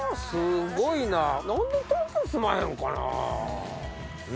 すごいな。